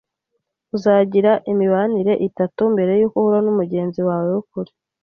Uzagira imibanire itatu mbere yuko uhura numugenzi wawe wukuri.